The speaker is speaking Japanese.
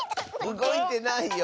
うごいてないよ。